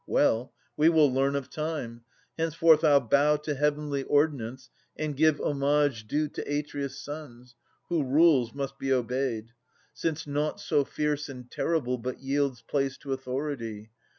Well, we will learn of Time. Henceforth I'll bow To heavenly ordinance and give homage due To Atreus' sons. Who rules, must be obeyed. Since nought so fierce and terrible but yields Place to Authority.